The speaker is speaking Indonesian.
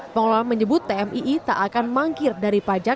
pengelola menyebut tmii tak akan mangkir dari pajak